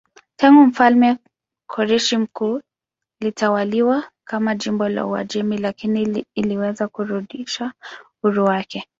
Tangu mfalme Koreshi Mkuu ilitawaliwa kama jimbo la Uajemi lakini iliweza kurudisha uhuru wake.